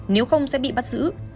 nếu không sẽ bị bắt giữ